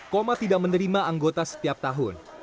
koma tidak menerima anggota setiap tahun